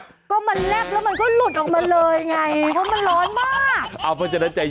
ก็มันแลบแล้วมันก็หลุดออกมาเลยไงเพราะมันร้อนมาก